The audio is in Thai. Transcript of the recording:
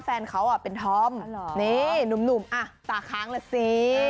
แฟนเขาเป็นธอมนี่หนุ่มอ่ะตาค้างล่ะสิ